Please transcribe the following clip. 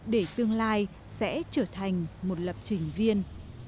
để tương lai sẽ trở thành một lập trình viên